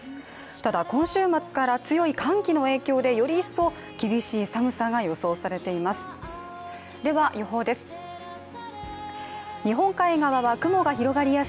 ただ今週末から強い歓喜の影響でより一層厳しい寒さが予想されています。